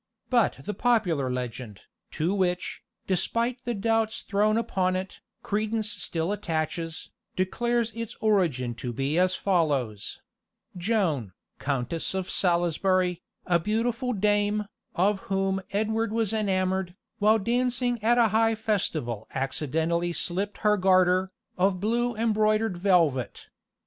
But the popular legend, to which, despite the doubts thrown upon it, credence still attaches, declares its origin to be as follows: Joan, Countess of Salisbury, a beautiful dame, of whom Edward was enamoured, while dancing at a high festival accidentally slipped her garter, of blue embroidered velvet.